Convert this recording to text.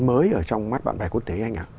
mới ở trong mắt bạn bè quốc tế anh ạ